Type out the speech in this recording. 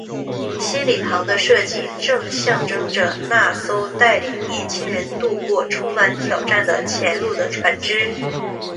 新礼堂的设计正象征着那艘带领年青人渡过充满挑战的前路的船只。